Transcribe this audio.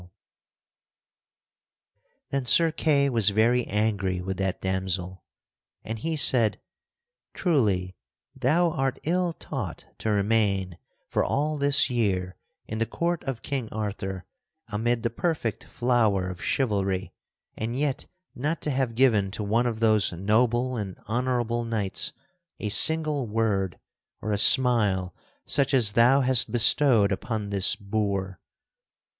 [Sidenote: Sir Kay strikes the damsel] Then Sir Kay was very angry with that damsel and he said: "Truly, thou art ill taught to remain for all this year in the court of King Arthur amid the perfect flower of chivalry and yet not to have given to one of those noble and honorable knights a single word or a smile such as thou hast bestowed upon this boor."